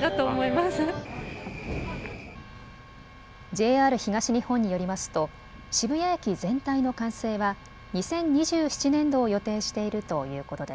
ＪＲ東日本によりますと渋谷駅全体の完成は２０２７年度を予定しているということです。